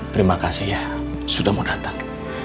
terima kasih ya sudah mau datang